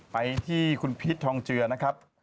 ไปที่คุณพีชทองเจือนะครับ